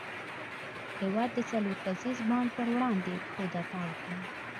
هوا د څلور کسیز بانډ پر وړاندې کودتا وکړه.